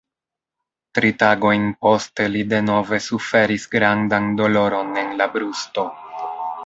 Tri tagojn poste li denove suferis grandan doloron en la brusto.